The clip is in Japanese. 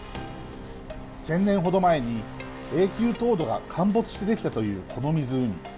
１，０００年ほど前に永久凍土が陥没してできたというこの湖。